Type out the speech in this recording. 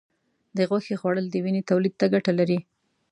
د غوښې خوړل د وینې تولید ته ګټه لري.